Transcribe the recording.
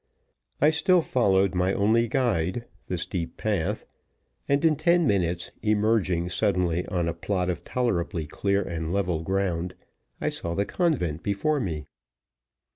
I still followed my only guide, the steep path; and in ten minutes, emerging suddenly on a plot of tolerably clear and level ground, I saw the convent before me.